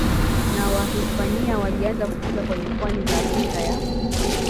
na Wahispania walianza kufika kwenye pwani za Afrika ya